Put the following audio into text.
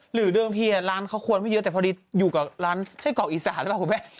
หรือเรื่องที่ร้านเขาขวนไม่เยอะแต่พอดีอยู่กับร้านไช่กอกอีสานเขาต่อแป๊ะ